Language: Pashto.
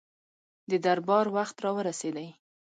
د دربار وخت را ورسېدی.